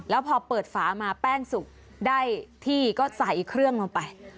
แล้วพอเปิดฝามาแป้งสุกได้ที่ก็ใส่เครื่องลงไป